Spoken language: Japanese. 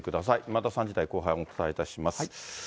また３時台後半にお伝えいたします。